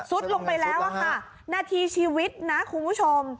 ลงไปแล้วอะค่ะนาทีชีวิตนะคุณผู้ชม